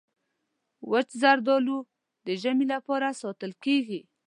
وچ زردالو د ژمي لپاره ساتل کېږي.